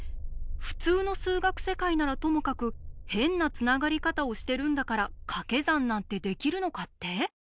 普通の数学世界ならともかく変なつながり方をしてるんだからかけ算なんてできるのかって？